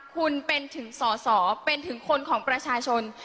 คุณเป็นถึงสอสอเป็นถึงคนของประชาชน